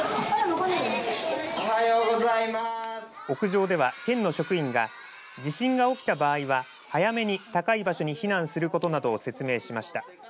屋上では、県の職員が地震が起きた場合は早めに高い場所に避難することなどを説明しました。